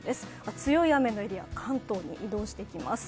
強い雨のエリア、関東まで移動してきます。